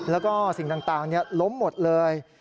แล้วก็สิ่งต่างล้มหมดเลย